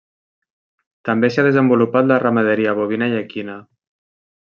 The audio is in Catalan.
També s'hi ha desenvolupat la ramaderia bovina i equina.